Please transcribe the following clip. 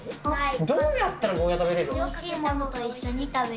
どうやったらゴーヤ食べれる？